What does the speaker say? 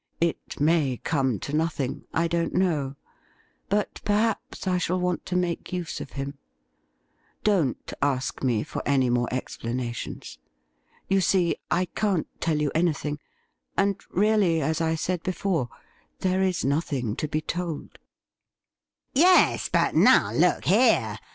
It may come to nothing — T don't know ; Jjut perhaps I shall want to make use of him. Don't ask AN EPOCH MAKING DAY 197 me for any more explanations. You see, I can't tell you anything ; and, really, as I said before, there is nothing to be told; 'Yes, but now look here.